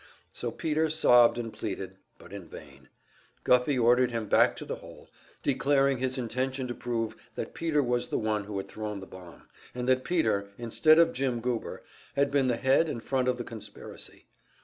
So Peter sobbed and pleaded but in vain. Guffey ordered him back to the hole, declaring his intention to prove that Peter was the one who had thrown the bomb, and that Peter, instead of Jim Goober, had been the head and front of the conspiracy.